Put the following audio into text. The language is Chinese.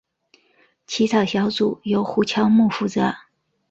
起草小组由胡乔木负责。